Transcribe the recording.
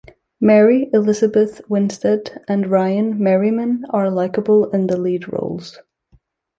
Mary Elizabeth Winstead and Ryan Merriman are likeable in the lead roles.